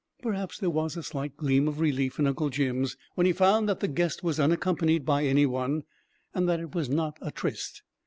Perhaps there was a slight gleam of relief in Uncle Jim's when he found that the guest was unaccompanied by any one, and that it was not a tryst.